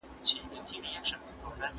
موږ باید له هر ډول تبعیض سره مبارزه وکړو.